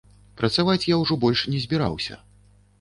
Працаваць я ўжо больш не збіраўся.